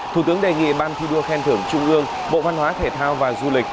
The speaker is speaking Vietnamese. thủ tướng đề nghị ban thi đua khen thưởng trung ương bộ văn hóa thể thao và du lịch